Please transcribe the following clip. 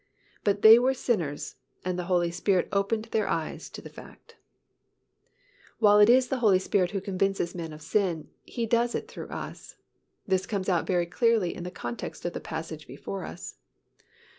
But they were sinners and the Holy Spirit opened their eyes to the fact. While it is the Holy Spirit who convinces men of sin, He does it through us. This comes out very clearly in the context of the passage before us.